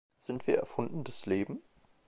Sind wir erfundenes Leben?